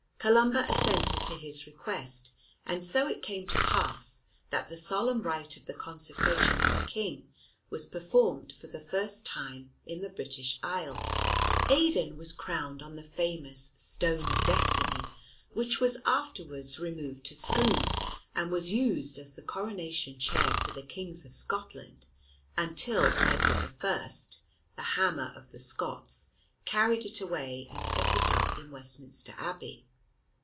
Columba assented to his request, and so it came to pass that the solemn rite of the consecration of a king was performed for the first time in the British Isles. Aidan was crowned on the famous "Stone of Destiny" which was afterwards removed to Scone and was used as the coronation chair for the Kings of Scotland, until Edward I, "the Hammer of the Scots," carried it away and set it up in Westminster Abbey.